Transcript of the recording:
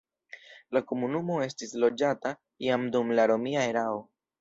La komunumo estis loĝata jam dum la romia erao.